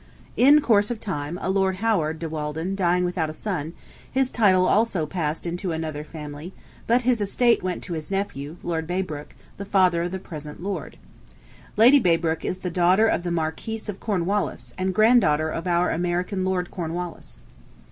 In course of time, a Lord Howard de Walden dying without a son, his title also passed into another family, but his estate went to his nephew, Lord Braybrooke, the father of the present Lord. Lady Braybrooke is the daughter of the Marquis of Cornwallis, and granddaughter of our American Lord Cornwallis.